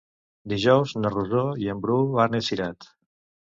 Dijous na Rosó i en Bru van a Cirat.